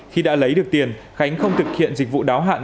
khi đã lấy được tiền khánh không thực hiện dịch vụ đáo hạn